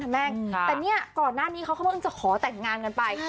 แต่เนี่ยก่อนหน้านี้เขาก็มึงจะขอแต่งงานกันไป